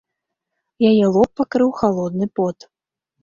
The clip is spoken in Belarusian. Яе лоб пакрыў халодны пот.